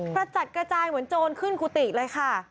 กระจัดกระจายเหมือนโจรขึ้นกุฏิเลยค่ะ